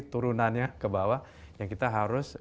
turunannya ke bawah yang kita harus